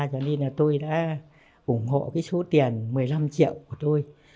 cho nên là tôi đã ủng hộ cái số tiền một mươi năm triệu của tôi